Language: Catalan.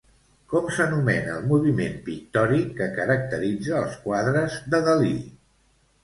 Com s'anomena el moviment pictòric que caracteritza els quadres de Dalí?